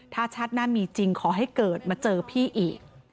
ถ้าชาติหน้ามีจริงขอให้เกิดมาเจอพี่อีก